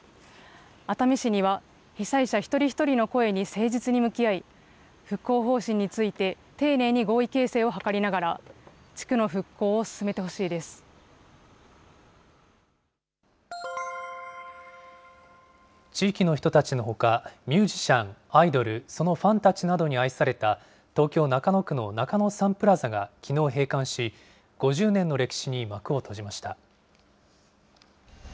熱海市には被災者一人一人の声に誠実に向き合い、復興方針について丁寧に合意形成を図りながら、地区の復興を進め地域の人たちのほか、ミュージシャン、アイドル、そのファンたちなどに愛された、東京・中野区の中野サンプラザがきのう閉館し、５０年の歴史に幕を閉じました。